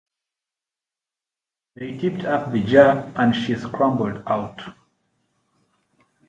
They tipped up the jar, and she scrambled out.